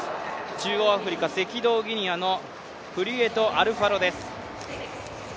中央アフリカ、赤道ギニアのプリエトアルファロです。